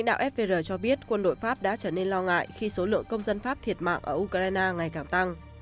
đạo fvr cho biết quân đội pháp đã trở nên lo ngại khi số lượng công dân pháp thiệt mạng ở ukraine ngày càng tăng